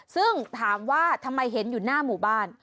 ซึ่งถามว่าทำไมเห็นอยู่หน้าหมู่บ้าน